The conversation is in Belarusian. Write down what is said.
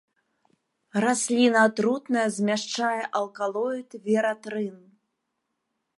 Расліна атрутная, змяшчае алкалоід вератрын.